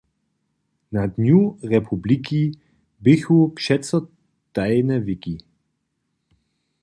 Na dnju republiki běchu přeco tajne wiki.